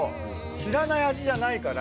知らない味じゃないから。